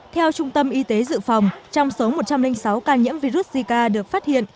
theo trung tâm y tế dự phòng trong số một trăm linh sáu ca nhiễm virus zika được phát hiện